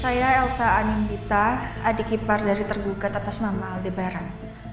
saya elsa anindita adik ipar dari tergugat atas nama aldebar